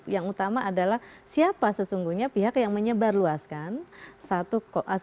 yang utama adalah siapa sesungguhnya pihak yang menyebarluaskan